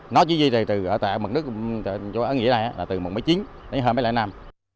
nó chỉ duy trì từ mực nước ở nghỉa này là từ mùng một mươi chín đến hôm một mươi năm